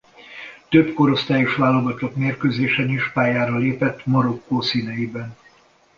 Több korosztályos válogatott mérkőzésen is pályára lépett Marokkó színeiben.